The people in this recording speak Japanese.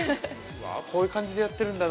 ◆こういう感じでやってるんだ。